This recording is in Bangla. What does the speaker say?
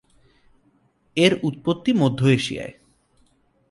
এর উৎপত্তি মধ্য এশিয়ায়।